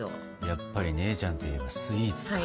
やっぱり姉ちゃんといえばスイーツか。